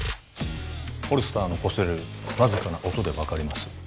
ホルスターのこすれるわずかな音で分かります